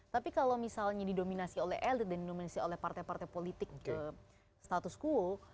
tapi kalau misalnya didominasi oleh elit dan didominasi oleh partai partai politik status quo